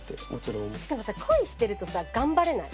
しかもさ恋してるとさ頑張れない？